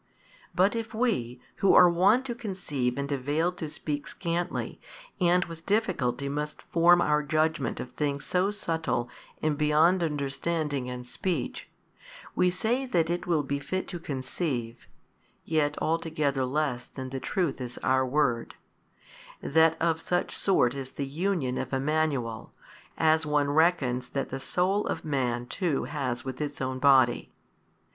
But if we, who are wont to conceive and avail to speak scantly and with difficulty must form our judgement of things so subtil and beyond understanding and speech; we say that it will befit to conceive (yet altogether less than the truth is our word) that of such sort is the union 9 of |193 Emmanuel, as one reckons that the soul of man too has with its own body.